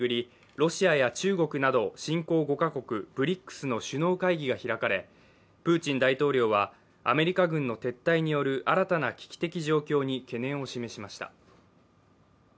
ロシアや中国など新興５カ国＝ＢＲＩＣＳの首脳会議が開かれプーチン大統領はアメリカ軍の撤退による新たな危機的状況に懸念を示しました。